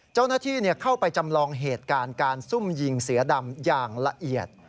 เจ้าหน้าที่เข้าไปจำลองเหตุการณ์การซุ่มยิงเสือดำอย่างละเอียด